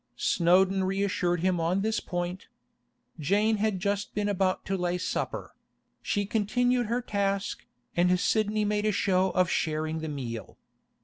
Snowdon reassured him on this point. Jane had just been about to lay supper; she continued her task, and Sidney made a show of sharing the meal.